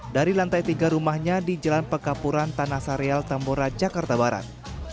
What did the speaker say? dari lantai tiga rumahnya di jalan pekapuran tanah sareal tambora jakarta barat